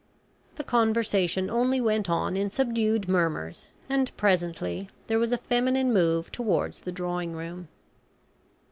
The conversation only went on in subdued murmurs, and presently there was a feminine move towards the drawing room.